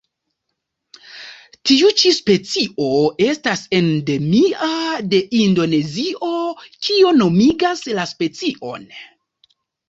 Tiu ĉi specio estas endemia de Indonezio, kio nomigas la specion.